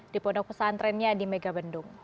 di pondok pesantrennya di megabendung